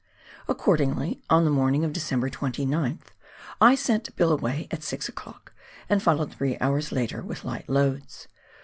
Accordingly, on the morning of December 29th, I sent Bill away at 6 o'clock, and followed three hours later with light loads.